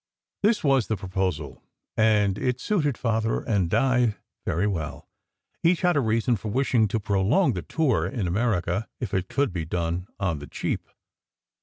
This was the proposal, and it suited Father and Di very well. Each had a reason for wishing to prolong the tour in America, if it could be done "on the cheap."